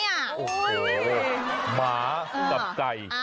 หมากับไก่